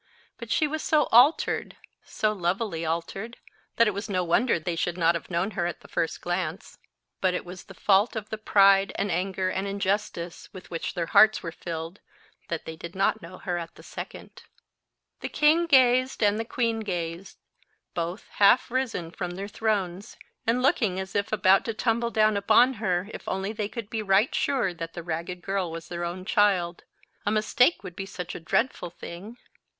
But she was so altered—so lovelily altered, that it was no wonder they should not have known her at the first glance; but it was the fault of the pride and anger and injustice with which their hearts were filled, that they did not know her at the second. The king gazed and the queen gazed, both half risen from their thrones, and looking as if about to tumble down upon her, if only they could be right sure that the ragged girl was their own child. A mistake would be such a dreadful thing!